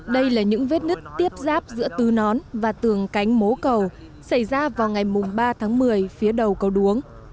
đây là những vết nứt tiếp giáp giữa tứ nón và tường cánh mố cầu xảy ra vào ngày ba tháng một mươi phía đầu cầu đuống